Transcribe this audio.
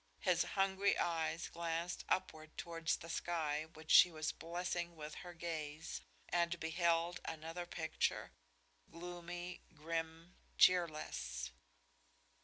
His hungry eyes glanced upward towards the sky which she was blessing with her gaze, and beheld another picture, gloomy, grim, cheerless.